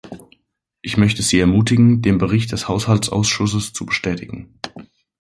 Ich möchte Sie ermutigen, den Bericht des Haushaltsausschusses zu bestätigen.